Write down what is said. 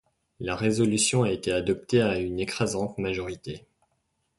La résolution a été adoptée à une écrasante majorité.